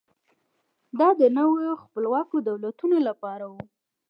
دا د نویو خپلواکو دولتونو لپاره و.